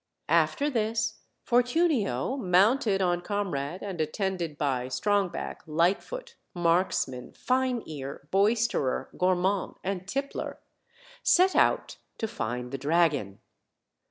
After this Fortunio, mounted on Com rade and attended by Strongback, Lightfoot, Marksman, Fine ear, Boisterer, Gormand, and Tippler, set out to find the dragon.